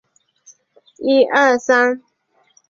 这期间丘吉尔几乎每周都亲自到被炸现场视察。